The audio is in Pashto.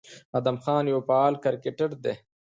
ادم خان يو فعال کرکټر دى،